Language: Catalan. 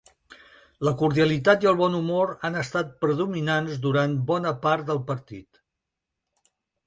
La cordialitat i el bon humor han estat predominants durant bona part del partit.